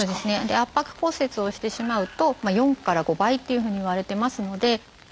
圧迫骨折をしてしまうと４から５倍っていうふうにいわれてますので。